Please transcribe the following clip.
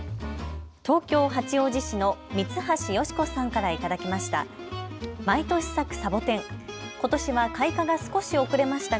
東京八王子市の三橋好子さんから頂きました。